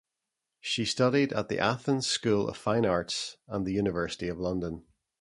She studied at the Athens School of Fine Arts and the University of London.